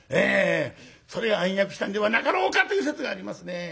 それが暗躍したんではなかろうかという説がありますね。